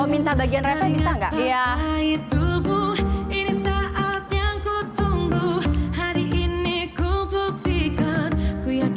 oh minta bagian rev nya minta gak